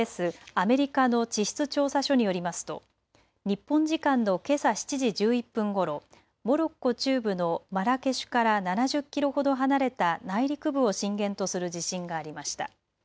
・アメリカの地質調査所によりますと日本時間のけさ７時１１分ごろ、モロッコ中部のマラケシュから７０キロほど離れた内陸部を震源とする地震がありました。